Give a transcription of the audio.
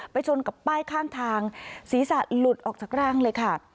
ชนกับป้ายข้างทางศีรษะหลุดออกจากร่างเลยค่ะ